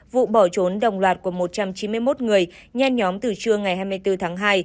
vụ bỏ trốn đồng loạt của một trăm chín mươi một người nhen nhóm từ trưa ngày hai mươi bốn tháng hai